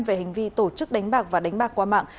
về hành vi tổ chức đánh bạc và đánh bạc qua mạng